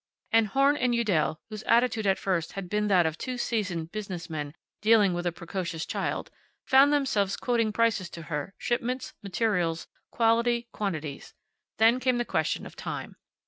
And Horn & Udell, whose attitude at first had been that of two seasoned business men dealing with a precocious child, found themselves quoting prices to her, shipments, materials, quality, quantities. Then came the question of time.